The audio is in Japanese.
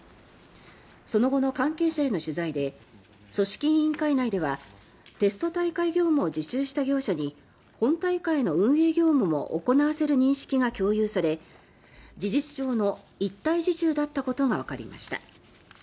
その後の関係者への取材で組織委員会内ではテスト大会業務を受注した業者に本大会の運営業務も行わせる認識が共有され事実上の一体受注だったことがわかりました。